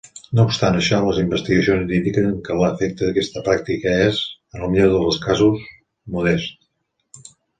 No obstant això, les investigacions indiquen que l'efecte d'aquesta pràctica és, en el millor dels casos, modest.